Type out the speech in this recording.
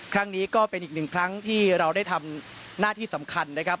ครั้งนี้ก็เป็นอีกหนึ่งครั้งที่เราได้ทำหน้าที่สำคัญนะครับ